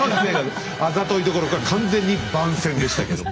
あざといどころか完全に番宣でしたけど。